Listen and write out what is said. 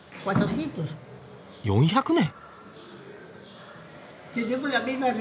４００年？